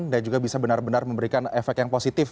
dan juga bisa benar benar memberikan efek yang positif